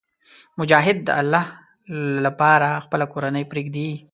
مجاهد د الله لپاره خپله کورنۍ پرېږدي.